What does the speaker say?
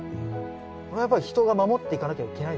それはやっぱり人が守っていかなきゃいけないんですね。